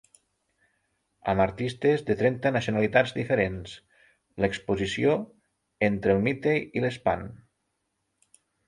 Amb artistes de trenta nacionalitats diferents, l’exposició Entre el mite i l’espant.